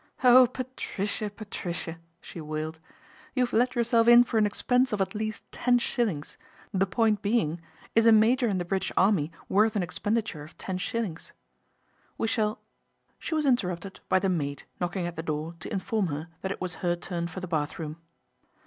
" Oh ! Patricia, Patricia," she wailed, " you have let yourself in for an expense of at least ten shillings, the point being is a major in the British Army worth an expenditure of ten shillings ? We shall " She was interrupted by the maid knocking at the door to inform her that it was her turn for the bath room.